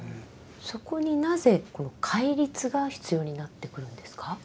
そこになぜ戒律が必要になってくるんですか？